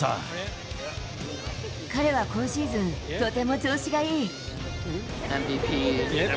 彼は今シーズン、とても調子がいい。